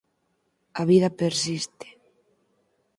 A vida persiste.